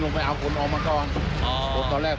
รถตี้เขาวิ่งขวาอยู่แล้ว